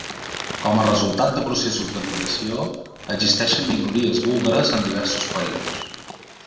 Com a resultat de processos d'emigració existeixen minories búlgares en diversos països.